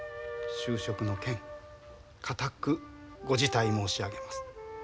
就職の件固くご辞退申し上げます」。